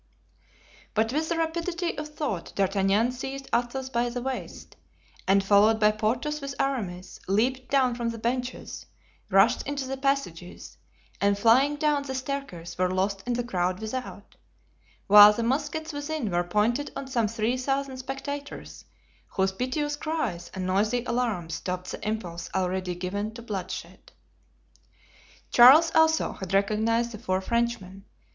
But with the rapidity of thought D'Artagnan seized Athos by the waist, and followed by Porthos with Aramis, leaped down from the benches, rushed into the passages, and flying down the staircase were lost in the crowd without, while the muskets within were pointed on some three thousand spectators, whose piteous cries and noisy alarm stopped the impulse already given to bloodshed. Charles also had recognized the four Frenchmen.